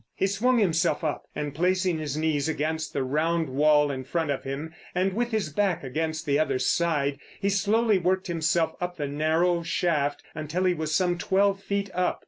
He swung himself up, and placing his knees against the round wall in front of him, and with his back against the other side, he slowly worked himself up the narrow shaft until he was some twelve feet up.